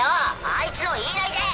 ⁉あいつの言いなりで。